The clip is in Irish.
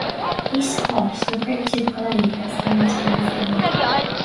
Éist, a Cháit, nó cuirfidh tú ag gol í, agus beimid gan scéal.